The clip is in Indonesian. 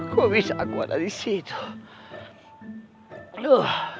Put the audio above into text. kok bisa aku ada disitu